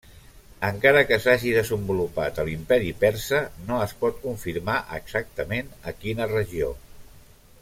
Encara que s'hagi desenvolupat a l'Imperi persa, no es pot confirmar exactament a quina regió.